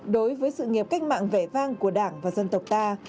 đối với sự nghiệp cách mạng vẻ vang của đảng và dân tộc ta